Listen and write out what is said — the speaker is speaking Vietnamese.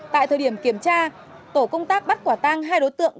tại thời điểm kiểm tra tổ công tác bắt quả tang hai đối tượng